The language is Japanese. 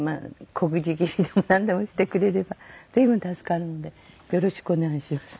小口切りでもなんでもしてくれれば随分助かるんでよろしくお願いします。